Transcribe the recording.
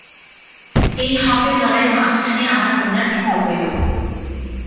এই হকের লড়াইয়ের মাঝখানেই আমার কন্যার মৃত্যু হইল।